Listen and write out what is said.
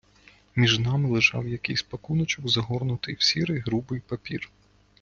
Між нами лежав якийсь пакуночок, загорнутий в сірий грубий папір.